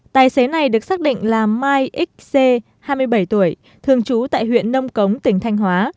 tài xế này được xác định là mai x c hai mươi bảy tuổi thường trú tại huyện nông cống tỉnh thanh hóa